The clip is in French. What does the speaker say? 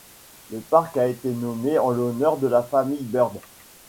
Le parc a été nommé en l'honneur de la famille Bird.